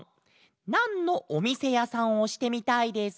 「なんのおみせやさんをしてみたいですか？」。